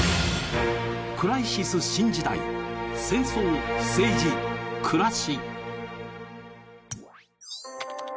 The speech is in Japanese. クライシス新時代、戦争・政治・暮らし。